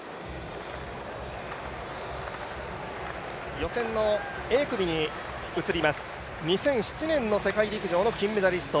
予選のＡ組に移ります、２００７年の世界陸上金メダリスト